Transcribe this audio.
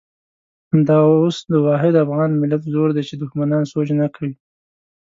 همدا اوس د واحد افغان ملت زور دی چې دښمنان سوچ نه کوي.